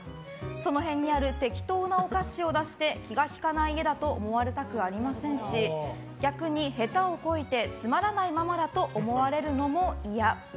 その辺にある適当なお菓子を出して気が利かない家だと思われたくありませんし逆に下手をこいてつまらないママだと思われれるのも嫌。